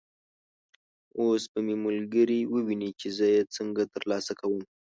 اوس به مې ملګري وویني چې زه یې څنګه تر لاسه کوم.